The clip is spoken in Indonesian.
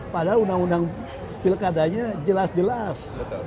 padahal undang undang pilkadanya jelas jelas